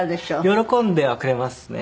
喜んではくれますね。